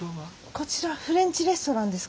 こちらフレンチレストランですか？